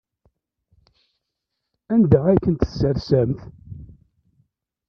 Anda ay ten-tessersemt?